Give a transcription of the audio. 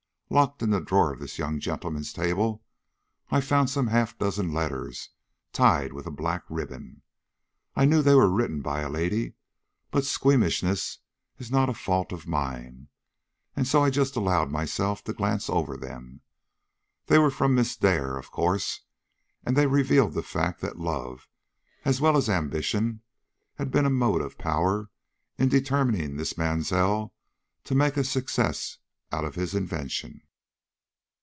"Locked in the drawer of this young gentleman's table, I found some half dozen letters tied with a black ribbon. I knew they were written by a lady, but squeamishness is not a fault of mine, and so I just allowed myself to glance over them. They were from Miss Dare, of course, and they revealed the fact that love, as well as ambition, had been a motive power in determining this Mansell to make a success out of his invention."